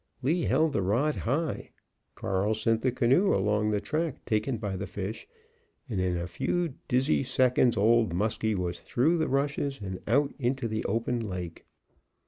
Lee held the rod high, Carl sent the canoe along the track taken by the fish; and in a few dizzy seconds Old Muskie was through the rushes and out into the open lake.